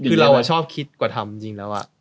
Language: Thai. คือเราชอบคิดกว่าทำจริงแล้ว